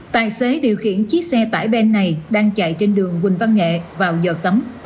tài xế điều khiển chiếc xe tải bên này đang chạy trên đường quỳnh văn nghệ vào giờ cấm